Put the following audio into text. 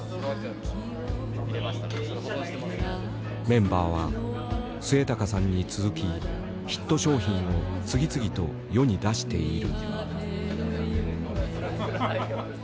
メンバーは末高さんに続きヒット商品を次々と世に出している。